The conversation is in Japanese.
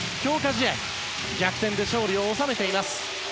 試合逆転で勝利を収めています。